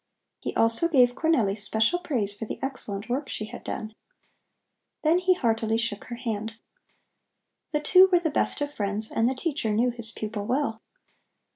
He also gave Cornelli special praise for the excellent work she had done. Then he heartily shook her hand. The two were the best of friends and the teacher knew his pupil well.